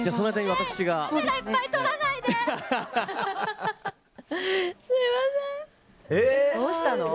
すみません。